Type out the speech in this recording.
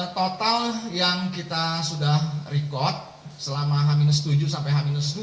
total yang kita sudah rekod selama h tujuh sampai h dua